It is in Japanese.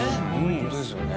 ホントですよね。